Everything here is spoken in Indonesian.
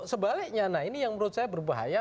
sebaliknya nah ini yang menurut saya berbahaya